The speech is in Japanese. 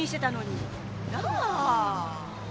なあ。